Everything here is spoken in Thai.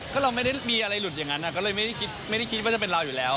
ก็เราไม่ได้มีอะไรหลุดอย่างนั้นก็เลยไม่ได้คิดว่าจะเป็นเราอยู่แล้ว